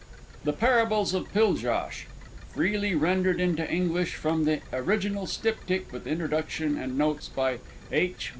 J._ THE PARABLES OF PILJOSH FREELY RENDERED INTO ENGLISH FROM THE ORIGINAL STYPTIC WITH INTRODUCTION AND NOTES BY H.